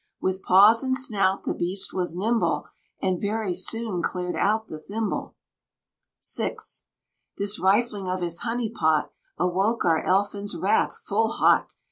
With paws and snout the beast was nimble, And very soon cleared out the thimble. VI. This rifling of his honey pot Awoke our Elfin's wrath full hot.